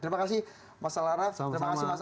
terima kasih mas alaraf